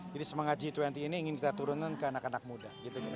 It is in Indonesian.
semangat g dua puluh ini ingin kita turunkan ke anak anak muda